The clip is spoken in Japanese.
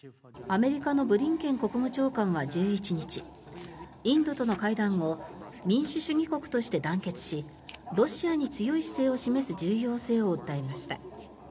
アメリカのブリンケン国務長官は１１日インドとの会談後民主主義国として団結しロシアに強い姿勢を示す重要性を訴えました。